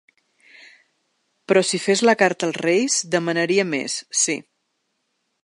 Però si fes la carta als reis, demanaria més, sí.